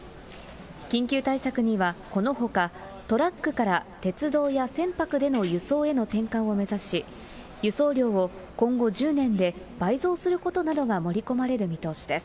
緊急対策には、このほかトラックから鉄道や船舶での輸送への転換を目指し、輸送量を今後１０年で倍増することなどが盛り込まれる見通しです。